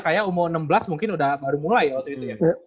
kayak umur enam belas mungkin udah baru mulai waktu itu ya